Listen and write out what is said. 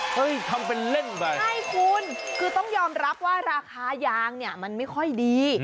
ทำเป็นเล่นไปใช่คุณคือต้องยอมรับว่าราคายางเนี่ยมันไม่ค่อยดี